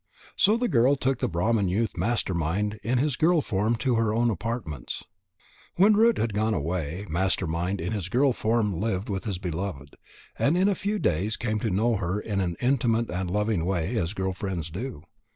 So the girl took the Brahman youth Master mind in his girl form to her own apartments. When Root had gone away, Master mind in his girl form lived with his beloved, and in a few days came to know her in an intimate and loving way, as girl friends do.